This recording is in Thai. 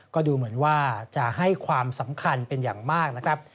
ก็ดูเหมือนว่าจะให้ความสำคัญเป็นอย่างมากนะครับ